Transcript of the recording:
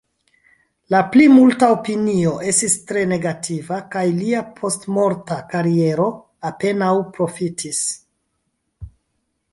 La plimulta opinio estis tre negativa, kaj lia postmorta kariero apenaŭ profitis.